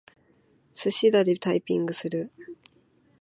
すしだでタイピングする。